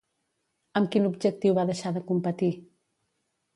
Amb quin objectiu va deixar de competir?